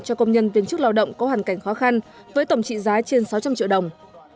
cho công nhân viên chức lao động có hoàn cảnh khó khăn với tổng trị giá trên sáu trăm linh triệu đồng